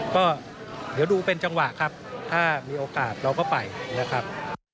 ก็เดี๋ยวดูเป็นจังหวะครับถ้ามีโอกาสเราก็ไปนะครับ